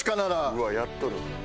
うわっやっとる。